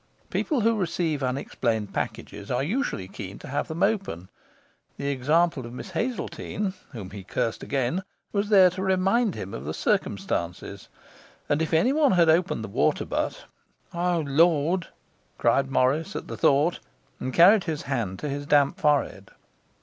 People who receive unexplained packages are usually keen to have them open; the example of Miss Hazeltine (whom he cursed again) was there to remind him of the circumstance; and if anyone had opened the water butt 'O Lord!' cried Morris at the thought, and carried his hand to his damp forehead.